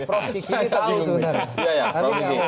prof gini tahu sudah